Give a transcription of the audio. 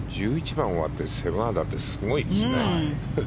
１１番終わって７アンダーってすごいですね。